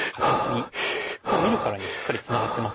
もう見るからにしっかりツナがってますよね。